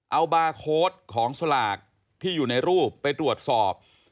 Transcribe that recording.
เอาบาร์โค้ดของสลากที่อยู่ในรูปไปตรวจสอบ